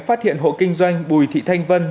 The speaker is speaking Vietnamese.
phát hiện hộ kinh doanh bùi thị thanh vân